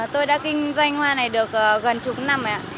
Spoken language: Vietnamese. tôi đã kinh doanh hoa này được gần chục năm ạ